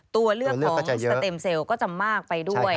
ตัวเลือกของสเต็มเซลล์ก็จะมากไปด้วย